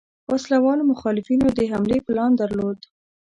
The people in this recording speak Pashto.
وسله والو مخالفینو د حملې پلان درلود.